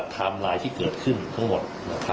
ไทม์ไลน์ที่เกิดขึ้นทั้งหมด